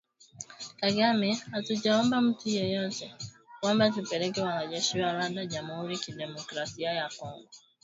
Kagame: Hatujaomba mtu yeyote kwamba tupeleke wanajeshi wa Rwanda Jamuhuri ya Kidemokrasia ya Kongo